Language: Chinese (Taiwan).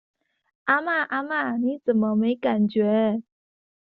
阿嬤阿嬤，你怎麼沒感覺？